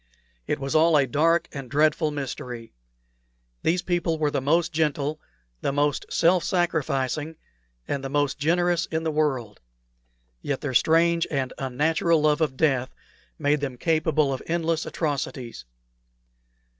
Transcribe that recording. It was all a dark and dreadful mystery. These people were the most gentle, the most self sacrificing, and the most generous in the world; yet their strange and unnatural love of death made them capable of endless atrocities.